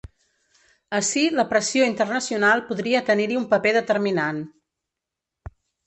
Ací la pressió internacional podria tenir-hi un paper determinant.